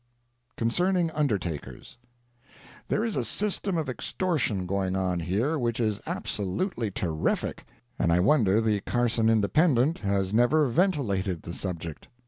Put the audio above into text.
CONCERNING UNDERTAKERS There is a system of extortion going on here which is absolutely terrific, and I wonder the Carson Independent has never ventilated the subject.